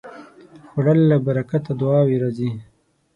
خوړل له برکته دعاوې راځي